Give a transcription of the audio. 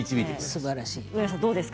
すばらしい。